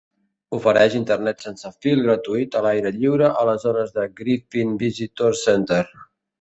Ofereix internet sense fil gratuït a l'aire lliure a la zona de Griffin Visitor Center.